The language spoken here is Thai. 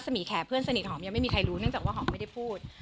มีแขเพื่อนสนิทหอมยังไม่มีใครรู้เนื่องจากว่าหอมไม่ได้พูด